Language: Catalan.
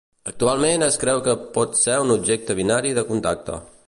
Actualment es creu que pot ser un objecte binari de contacte.